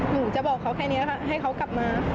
หนูจะบอกเขาแค่นี้ให้เขากลับมา